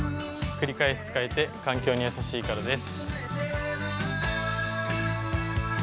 繰り返し使えて環境に優しいからです。